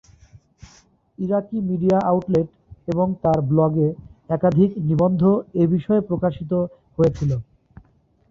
ইরাকি media outlet এবং তার ব্লগে একাধিক নিবন্ধ এ বিষয়ে প্রকাশিত হয়েছিল।